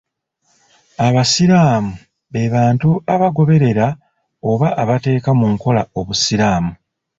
Abasiraamu be bantu abagoberera oba abateeka mu nkola obusiraamu.